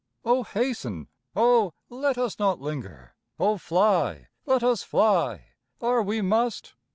Oh, hasten! oh, let us not linger! Oh, fly, let us fly, are we must!"